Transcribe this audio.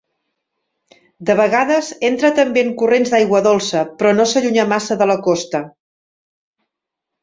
De vegades, entra també en corrents d'aigua dolça, però no s'allunya massa de la costa.